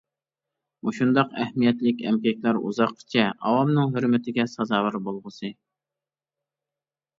مۇشۇنداق ئەھمىيەتلىك ئەمگەكلەر ئۇزاققىچە ئاۋامنىڭ ھۆرمىتىگە سازاۋەر بولغۇسى!